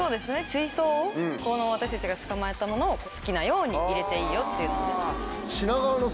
水槽私たちが捕まえたものを好きなように入れていいよって。